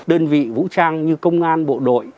đơn vị vũ trang như công an bộ đội